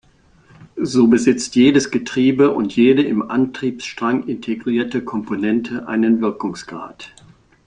So besitzt jedes Getriebe und jede im Antriebsstrang integrierte Komponente einen Wirkungsgrad.